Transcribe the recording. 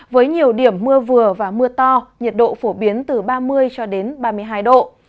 với nhiều điểm mưa vừa và mưa to nhiệt độ phổ biến từ ba mươi ba mươi hai độ